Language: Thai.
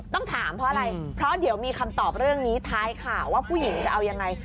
ต้องถามเพราะอะไรเพราะเดี๋ยวมีคำตอบเรื่องนี้ท้ายข่าวว่าผู้หญิงจะเอายังไง